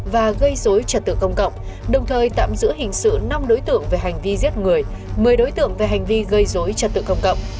và gây dối trật tự công cộng đồng thời tạm giữ hình sự năm đối tượng về hành vi giết người một mươi đối tượng về hành vi gây dối trật tự công cộng